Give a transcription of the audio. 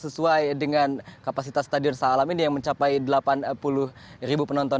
sesuai dengan kapasitas stadion saha alam ini yang mencapai delapan puluh penonton